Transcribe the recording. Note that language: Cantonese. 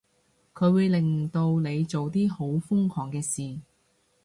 佢會令到你做啲好瘋狂嘅事